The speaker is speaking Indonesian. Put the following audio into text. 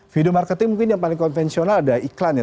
video marketing mungkin yang paling konvensional ada iklan ya